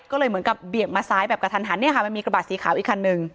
ก็เลยเหมือนกับเบี่ยงมาซ้ายแบบกระทันหันเนี่ยค่ะมันมีกระบะสีขาวอีกคันหนึ่ง